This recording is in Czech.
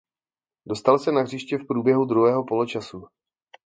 Dostal se na hřiště v průběhu druhého poločasu.